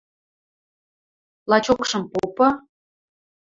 — Лачокшым попы.